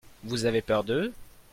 Vous avez peur d'eux ?